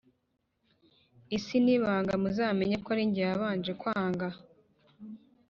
Isi nibanga muzamenye ko arinjye yabanje kwanga